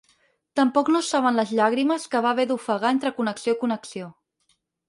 Tampoc no saben les llàgrimes que va haver d’ofegar entre connexió i connexió.